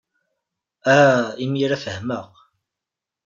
Ah, imir-a fehmeɣ.